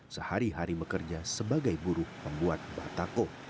sehari hari bekerja sebagai buruh pembuat batako